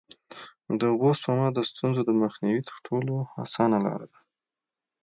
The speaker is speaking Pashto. د اوبو سپما د ستونزو د مخنیوي تر ټولو اسانه لاره ده.